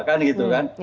kan gitu kan